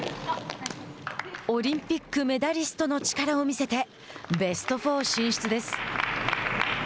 オリンピックメダリストの力を見せてベスト４進出です。